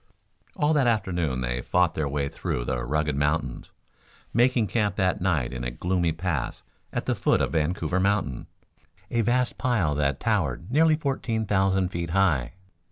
All that afternoon they fought their way through the rugged mountains, making camp that night in a gloomy pass at the foot of Vancouver Mountain, a vast pile that towered nearly fourteen thousand feet high.